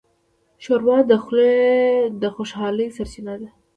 ښوروا د خولې د خوشحالۍ سرچینه ده.